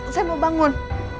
saya mau bangun